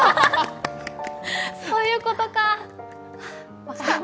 そういうことか。